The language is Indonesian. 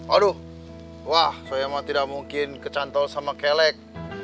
aduh wah saya tidak mungkin kecantol sama kelek